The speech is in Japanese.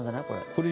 これ。